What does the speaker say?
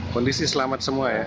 kondisi selamat semua ya